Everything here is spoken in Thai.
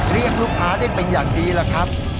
เรียกลูกค้าได้เป็นอย่างดีล่ะครับ